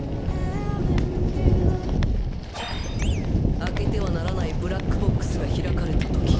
開けてはならないブラックボックスが開かれたとき。